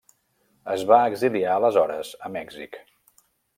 Es va exiliar aleshores a Mèxic.